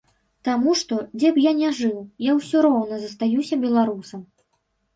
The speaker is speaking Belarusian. Таму што, дзе б я не жыў, я ўсё роўна застаюся беларусам.